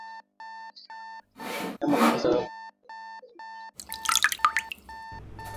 Mnyama kukosa hamu ya kula na kufadhaika ni dalili ya ugonjwa wa majimoyo